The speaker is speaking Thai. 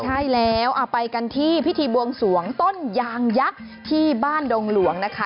ใช่แล้วไปกันที่พิธีบวงสวงต้นยางยักษ์ที่บ้านดงหลวงนะคะ